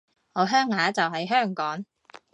我鄉下就喺香港